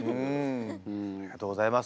ありがとうございます。